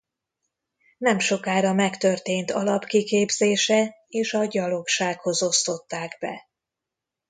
Nemsokára megtörtént alapkiképzése és a gyalogsághoz osztották be.